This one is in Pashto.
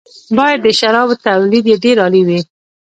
باید د شرابو تولید یې ډېر عالي وي.